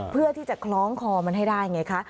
เพื่อที่จะคล้องคอมันให้ได้ไงคะ